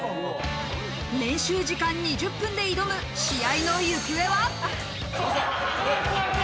練習時間２０分で挑む試合の行方は？